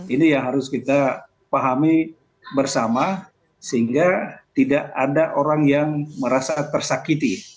ini yang harus kita pahami bersama sehingga tidak ada orang yang merasa tersakiti